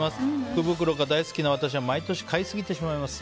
福袋が大好きな私は毎年、買いすぎてしまいます。